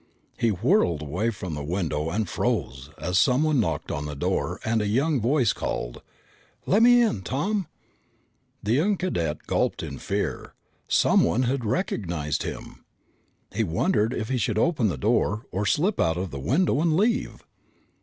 He whirled away from the window and froze as someone knocked on the door and a young voice called: "Lemme in, Tom!" The young cadet gulped in fear. Someone had recognized him! He wondered if he should open the door or slip out of the window and leave.